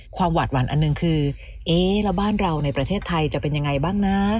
หวาดหวั่นอันหนึ่งคือเอ๊ะแล้วบ้านเราในประเทศไทยจะเป็นยังไงบ้างนะ